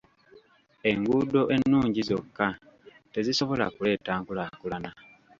Enguudo ennungi zokka tezisobola kuleeta nkulaakulana.